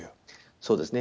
そうですね。